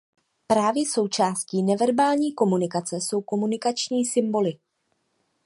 Právě součástí neverbální komunikace jsou komunikační symboly.